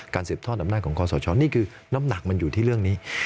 สืบทอดอำนาจของคอสชนี่คือน้ำหนักมันอยู่ที่เรื่องนี้